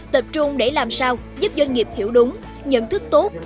tập trung để làm sao giúp doanh nghiệp hiểu đúng nhận thức tốt